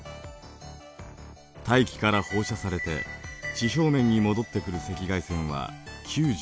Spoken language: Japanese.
大気から放射されて地表面に戻ってくる赤外線は９５。